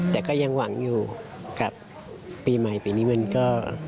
แต่ก็ยังหวังอยู่กับปีใหม่ปีนี้มันก็